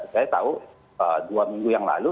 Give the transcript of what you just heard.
saya tahu dua minggu yang lalu